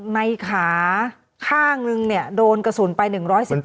ในขาข้างนึงเนี่ยโดนกระสุนไป๑๑๗นัด